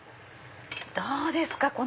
どうですか？